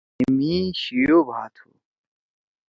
ہے مھی شیو بھا تُھو۔